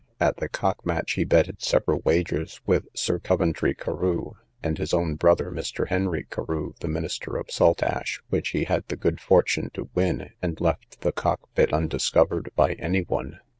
At the cock match, he betted several wagers with Sir Coventry Carew, and his own brother Mr. Henry Carew, the minister of Saltash, which he had the good fortune to win, and left the cock pit undiscovered by any one.